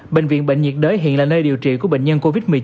bệnh viện bệnh nhiệt đới hiện là nơi điều trị của bệnh nhân covid một mươi chín